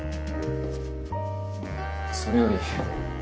それより。